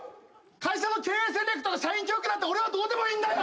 会社の経営戦略とか社員教育なんて俺はどうでもいいんだよ！